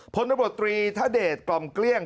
พลบตรีทเดชกล่อมเกลี้ยง